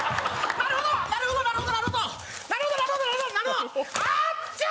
なるほどなるほどなるほどなるほどなるほどあっちゃー！